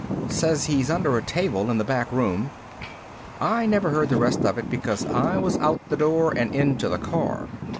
Says he's under a table in the back room ..." I never heard the rest of it because I was out the door and into the car.